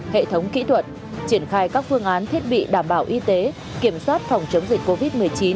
hệ thống kỹ thuật triển khai các phương án thiết bị đảm bảo y tế kiểm soát phòng chống dịch covid một mươi chín